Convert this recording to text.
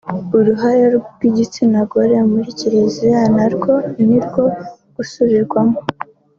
Uruhare rw’igitsinagore muri kiliziya narwo ni urwo gusubiramo